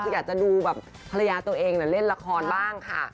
คืออยากจะดูแบบภรรยาตัวเองเล่นละครบ้างค่ะ